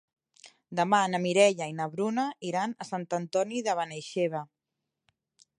Demà na Mireia i na Bruna iran a Sant Antoni de Benaixeve.